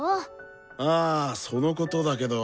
あそのことだけど。